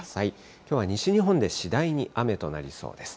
きょうは西日本で次第に雨となりそうです。